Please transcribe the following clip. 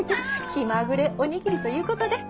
気まぐれおにぎりという事で。